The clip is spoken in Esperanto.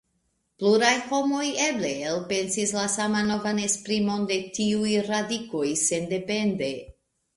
Pluraj homoj eble elpensis la saman novan esprimon de tiuj radikoj sendepende.